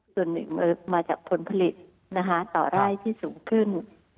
ข้าวมลิมาจากผลผลิตต่อร่ายที่สูงขึ้น